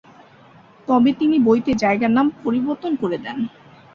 তবে তিনি বইতে জায়গার নাম পরিবর্তন করে দেন।